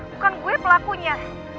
bukan gue pelakunya